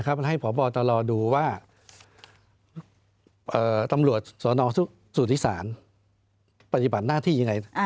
นะครับมันให้พ่อบอลตลอดูว่าเอ่อตำรวจสนองสุธิศาลปฏิบัติหน้าที่ยังไง